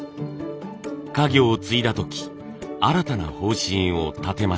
家業を継いだ時新たな方針を立てました。